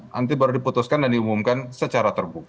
nanti baru diputuskan dan diumumkan secara terbuka